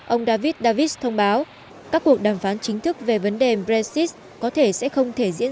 ông david davis thông báo các cuộc đàm phán chính thức về vấn đề brexit có thể sẽ không thể diễn